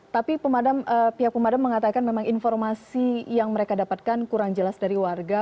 tapi pihak pemadam mengatakan memang informasi yang mereka dapatkan kurang jelas dari warga